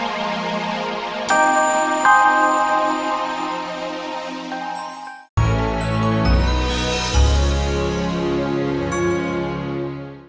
bang terima kasih